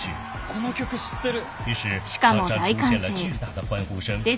・この曲知ってる！